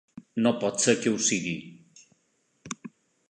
No pot ser que ho sigui!